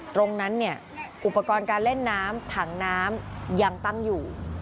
ตรงนั้นเนี่ยอุปกรณ์การเล่นน้ำถังน้ำยังตั้งอยู่